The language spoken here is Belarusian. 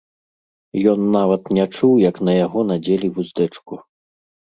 Ён нават не чуў, як на яго надзелі вуздэчку.